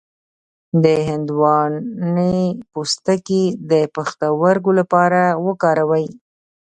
د هندواڼې پوستکی د پښتورګو لپاره وکاروئ